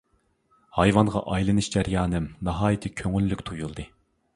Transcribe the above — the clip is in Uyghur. ھايۋانغا ئايلىنىش جەريانىم ناھايىتى كۆڭۈللۈك تۇيۇلىدۇ.